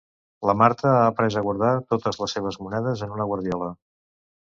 La Marta ha après a guardar totes les seves monedes en una guardiola